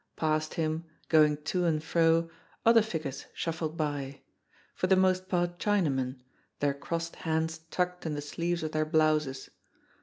Past him, going to and fro, other figures shuffled by for the most part Chinamen, their crossed hands tucked in the sleeves of their blouses.